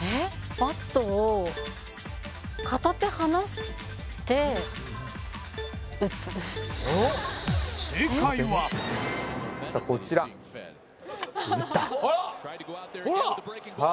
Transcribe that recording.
バットを片手離して打つ正解はさあこちら打ったさあ